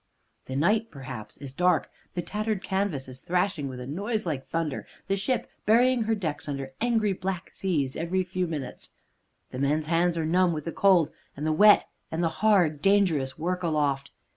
The night, perhaps, is dark, the tattered canvas is thrashing with a noise like thunder, the ship burying her decks under angry black seas every few minutes. The men's hands are numb with the cold and the wet, and the hard, dangerous work aloft.